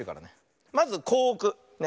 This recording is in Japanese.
まずこうおく。ね。